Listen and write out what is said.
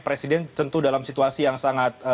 presiden tentu dalam situasi yang sangat